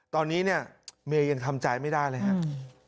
ตอนนี้เนี่ยเมย์ยังทำใจไม่ได้เลยครับ